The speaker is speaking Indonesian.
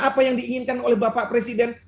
apa yang diinginkan oleh bapak presiden